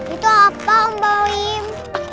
itu apa om boim